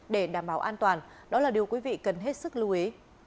để đảm bảo an toàn đó là điều quý vị cần hết sức lưu ý